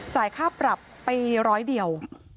ค่าปรับไปร้อยเดียว